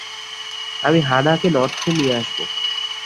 আমি হা-না কে নর্থ নিয়ে আসব।